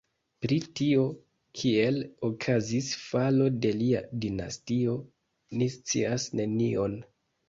Pri tio, kiel okazis falo de lia dinastio, ni scias nenion.